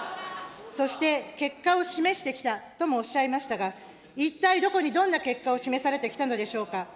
そして、結果を示してきたともおっしゃいましたが、一体どこにどんな結果を示されてきたのでしょうか。